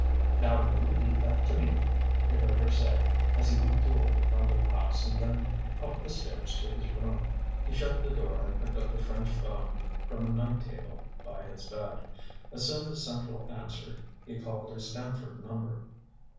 "Now you leave that to me," he heard her say as he went toward the front of the house and then up the stairs to his room. He shut the door and picked up the French phone from a night table by his bed. As soon as central answered he called a Stamford number.